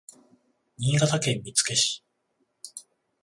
新潟県見附市